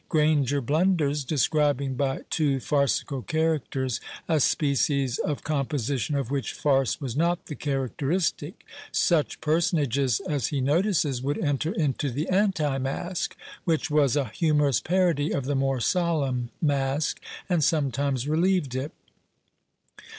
Granger blunders, describing by two farcical characters a species of composition of which farce was not the characteristic. Such personages as he notices would enter into the Anti masque, which was a humorous parody of the more solemn Masque, and sometimes relieved it.